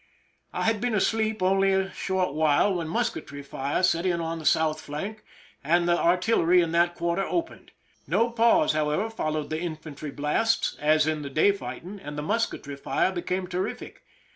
I had been asleep only a short while when musketry fire set in on the south flank, and the artillery in that quarter opened. No pause, how ever, followed the artillery blasts, as in the day fighting, and the musketry fire became terrific.